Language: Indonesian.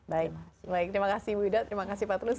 baik terima kasih ibu ida terima kasih pak telus